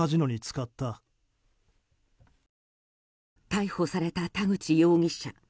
逮捕された田口容疑者。